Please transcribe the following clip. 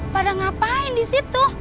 pada ngapain disitu